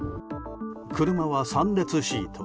車は３列シート。